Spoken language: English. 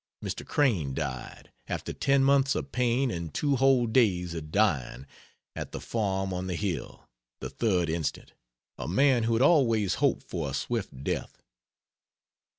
Mr. Crane died, after ten months of pain and two whole days of dying, at the farm on the hill, the 3rd inst: A man who had always hoped for a swift death.